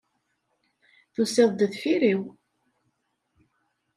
Tusiḍ-d deffir-iw.